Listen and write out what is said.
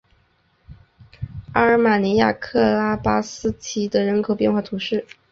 阿尔马尼亚克拉巴斯提德人口变化图示